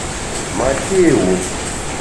Ma té wu !